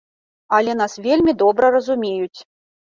Але нас вельмі добра разумеюць.